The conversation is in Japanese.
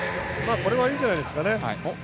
これはいいんじゃないですかね。